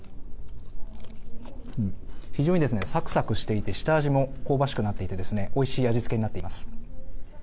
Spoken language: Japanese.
非常にサクサクしていて下味も香ばしくなっていておいしい味付けになっています。